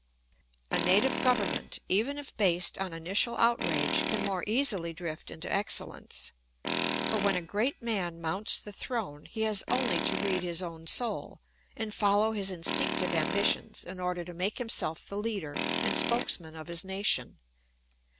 A native government, even if based on initial outrage, can more easily drift into excellence; for when a great man mounts the throne he has only to read his own soul and follow his instinctive ambitions in order to make himself the leader and spokesman of his nation.